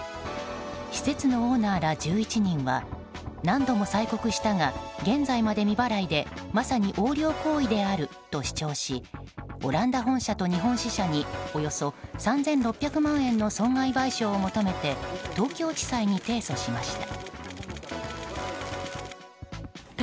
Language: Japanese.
施設のオーナーら１１人は何度も催告したが現在まで未払いでまさに横領行為であると主張しオランダ本社と日本支社におよそ３６００万円の損害賠償を求めて東京地裁に提訴しました。